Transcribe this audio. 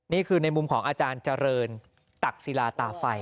นี่คือในมุมของอาจารย์เจริญตักศิลาตาไฟ